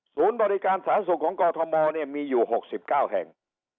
ศูนย์บริการสถานศุกร์ของกอทมมีอยู่๖๙แห่ง